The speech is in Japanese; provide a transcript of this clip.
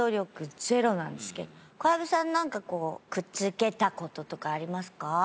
小籔さんなんかこうくっつけた事とかありますか？